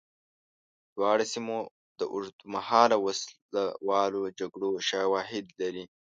دواړو سیمو د اوږدمهاله وسله والو جګړو شواهد لري.